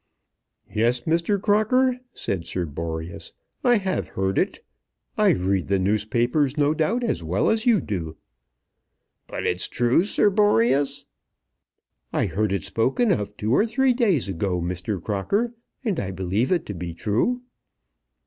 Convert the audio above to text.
"Yes, Mr. Crocker," said Sir Boreas, "I have heard it. I read the newspapers, no doubt, as well as you do." "But it's true, Sir Boreas?" "I heard it spoken of two or three days ago, Mr. Crocker, and I believe it to be true."